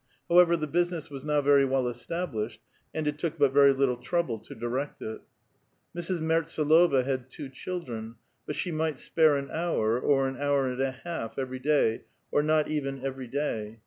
liowever, the business was now very well established, and it took but very little trouble to direct it. Mrs. Mertsdlova ha.d two children ; but she might spare an hour, or an hour ^ud a half, every day, or not even every day.